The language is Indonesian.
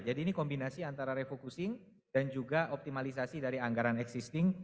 ini kombinasi antara refocusing dan juga optimalisasi dari anggaran existing